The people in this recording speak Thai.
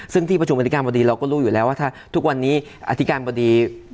ซึ่งที่ประชุมอธิการบดีเราก็รู้อยู่แล้วว่าถ้าทุกวันนี้อธิการบดี